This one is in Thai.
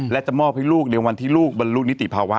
และจะมอบให้ลูกในวันที่ลูกบรรลุนิติภาวะ